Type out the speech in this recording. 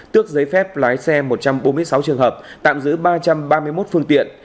tước giấy phép lái xe một trăm bốn mươi sáu trường hợp tạm giữ ba trăm ba mươi một phương tiện